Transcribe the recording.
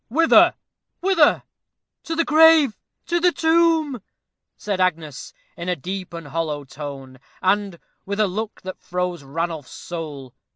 "Whither? whither?" "To the grave to the tomb," said Agnes, in a deep and hollow tone, and with a look that froze Ranulph's soul.